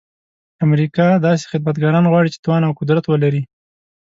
امریکا داسې خدمتګاران غواړي چې توان او قدرت ولري.